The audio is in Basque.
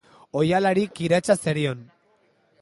Ohialari kiratsa zerion.